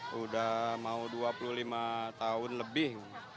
sudah mau dua puluh lima tahun lebih